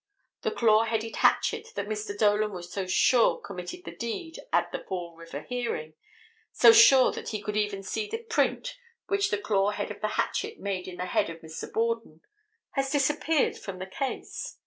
The claw headed hatchet that Dr. Dolan was so sure committed the deed at the Fall River hearing, so sure that he could even see the print which the claw head of the hatchet made in the head of Mr. Borden has disappeared from the case.